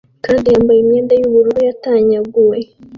kandi yambaye imyenda yubururu yatanyaguwe